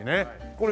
これ